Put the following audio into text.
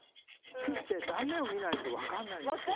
切って断面を見ないと分かんないんですよね。